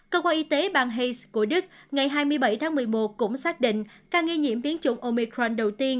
cơ quan y tế bang hesse của đức ngày hai mươi bảy tháng một mươi một cũng xác định ca nghi nhiễm biến chủng omicron đầu tiên